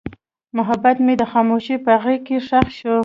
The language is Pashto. محبت مې د خاموشۍ په غېږ کې ښخ شو.